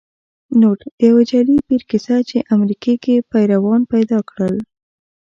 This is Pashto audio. نوټ: د یو جعلې پیر کیسه چې امریکې کې پیروان پیدا کړل